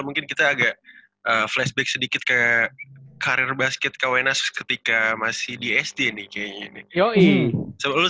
mungkin kita agak flashback sedikit ke karir basket kawenas ketika masih di sd nih kayaknya